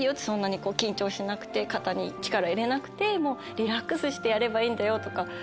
そんなに緊張しなくて肩に力入れなくてもうリラックスしてやればいいんだよとか。